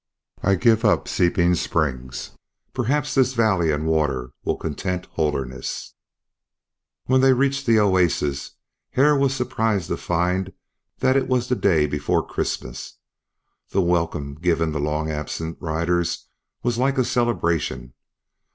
I give up Seeping Springs. Perhaps this valley and water will content Holderness." When they reached the oasis Hare was surprised to find that it was the day before Christmas. The welcome given the long absent riders was like a celebration.